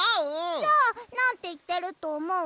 じゃあなんていってるとおもう？